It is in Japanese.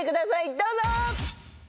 どうぞ！